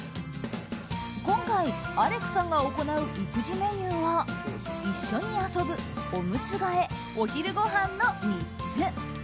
今回、アレクさんが行う育児メニューは一緒に遊ぶ、おむつ替えお昼ごはんの３つ。